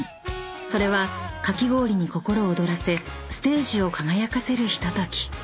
［それはかき氷に心躍らせステージを輝かせるひととき］